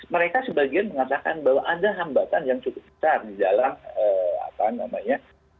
mereka sebagian mengatakan bahwa ada hambatan yang cukup besar di dalam apa namanya